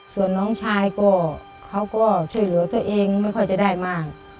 ส่วนน้องชายก็เขาก็ช่วยเหลือตัวเองไม่ค่อยจะได้มาก